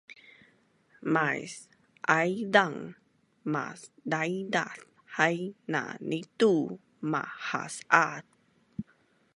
mais aizaan mas daidaz hai na nitu mahas-az